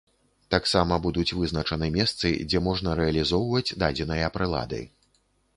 Таксама будуць вызначаны месцы, дзе можна рэалізоўваць дадзеныя прылады.